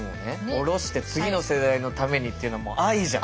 下ろして次の世代のためにっていうのはもう愛じゃん。